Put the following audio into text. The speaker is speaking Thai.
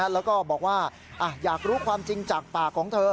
แล้วก็บอกว่าอยากรู้ความจริงจากปากของเธอ